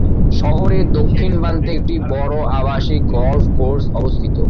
শহরের দক্ষিণ প্রান্তে একটি বড় আবাসিক গলফ কোর্স অবস্থিত।